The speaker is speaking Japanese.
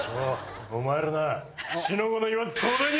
お前らな。